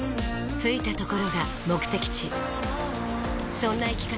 着いたところが目的地そんな生き方